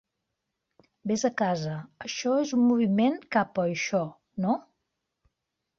"Vés a casa", això és un moviment cap a això, no?